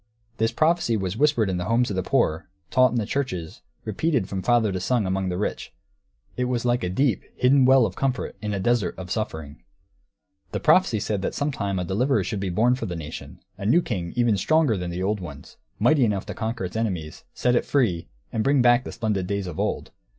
This prophecy was whispered in the homes of the poor, taught in the churches, repeated from father to son among the rich; it was like a deep, hidden well of comfort in a desert of suffering. The prophecy said that some time a deliverer should be born for the nation, a new king even stronger than the old ones, mighty enough to conquer its enemies, set it free, and bring back the splendid days of old.